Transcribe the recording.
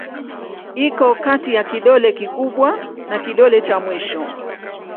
Iko kati ya kidole kikubwa na kidole cha mwisho.